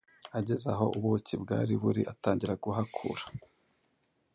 ageze aho ubuki bwari buri atangira guhakura,